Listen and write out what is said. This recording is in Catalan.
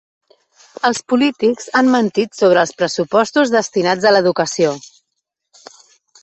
Els polítics han mentit sobre els pressupostos destinats a l'educació.